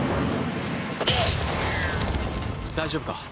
大丈夫か？